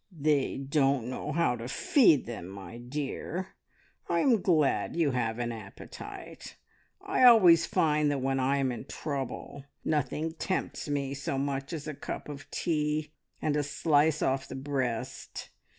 "They don't know how to feed them, my dear. I am glad you have an appetite. I always find that when I am in trouble nothing tempts me so much as a cup of tea and a slice off the breast.